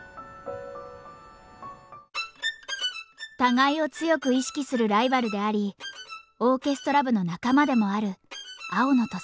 互いを強く意識するライバルでありオーケストラ部の仲間でもある青野と佐伯。